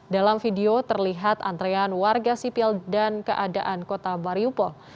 dalam video terlihat antrean warga sipil dan keadaan kota mariupol